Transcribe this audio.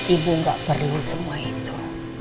ibu gak perlu semua itu